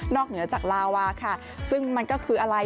เหนือจากลาวาค่ะซึ่งมันก็คืออะไร